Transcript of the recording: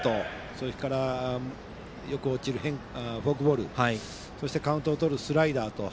それからよく落ちるフォークボールそしてカウントをとるスライダー。